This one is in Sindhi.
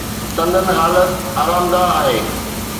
سندن حالت آرامده آهي.